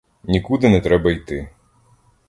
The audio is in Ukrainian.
Нікуди не треба йти.